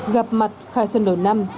gặp mặt khai xuân đổi năm